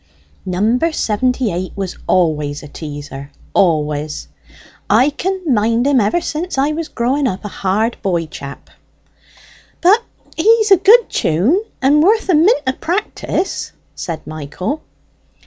"Number seventy eight was always a teaser always. I can mind him ever since I was growing up a hard boy chap." "But he's a good tune, and worth a mint o' practice," said Michael.